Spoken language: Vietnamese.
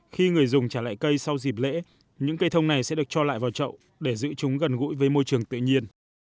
khi người dùng trả lại cây sau dịp lễ những cây thông này sẽ được cho lại vào chậu để giữ chúng gần gũi với môi trường tự nhiên